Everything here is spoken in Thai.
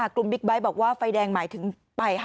ไม่ค่ะกลุ่มบิ๊กใบค์บอกว่าไฟแดงหมายถึงไป